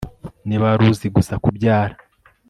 Niba wari uzi gusa kubyara